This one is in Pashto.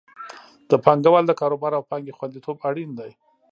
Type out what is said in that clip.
د پانګوالو د کاروبار او پانګې خوندیتوب اړین دی.